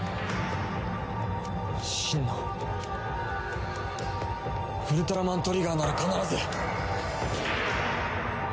真のウルトラマントリガーなら必ず！